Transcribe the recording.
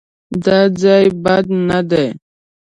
_دا ځای بد نه دی.